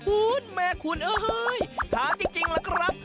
คุณแม่คุณเอ้ยท้าจริงล่ะครับ